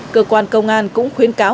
cơ quan công an cũng khuyến cáo